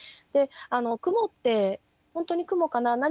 で雲って「本当に雲かな？